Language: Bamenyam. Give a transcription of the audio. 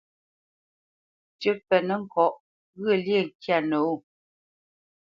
Tʉ́ mbenə́ ŋkɔ̌ ghyə̂lyê ŋkyâ nəwô.